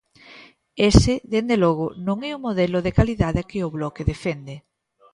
Ese, dende logo, non é o modelo de calidade que o Bloque defende.